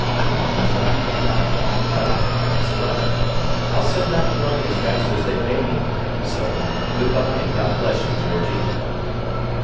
You might try—Hello, I must run. I'll send back the money as fast as they pay me—so, good bye and God bless you, Georgie!"